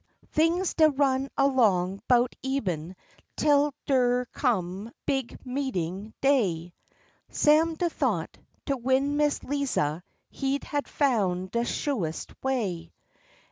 Things dey run along 'bout eben tel der come Big Meetin' day; Sam den thought, to win Miss Liza, he had foun' de shoest way.